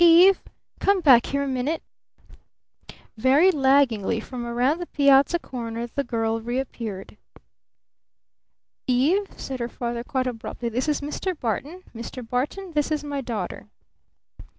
"Eve! Come back here a minute!" Very laggingly from around the piazza corner the girl reappeared. "Eve," said her father quite abruptly, "this is Mr. Barton! Mr. Barton, this is my daughter!"